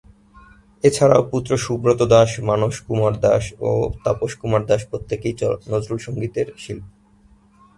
এছাড়াও পুত্র সুব্রত দাশ, মানস কুমার দাশ ও তাপস কুমার দাশ প্রত্যেকেই নজরুল সঙ্গীতের শিল্পী।